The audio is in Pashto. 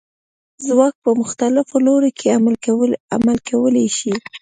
ځواک په مختلفو لورو کې عمل کولی شي.